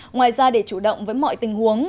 ngoài ra để chủ động với mọi tình huống